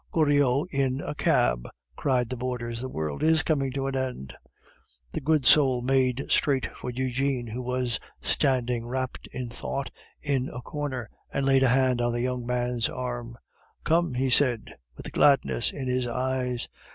"Goriot in a cab!" cried the boarders; "the world is coming to an end." The good soul made straight for Eugene, who was standing wrapped in thought in a corner, and laid a hand on the young man's arm. "Come," he said, with gladness in his eyes.